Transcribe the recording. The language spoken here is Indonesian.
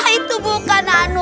itu bukan anu